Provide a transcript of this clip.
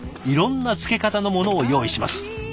いろんな漬け方のものを用意します。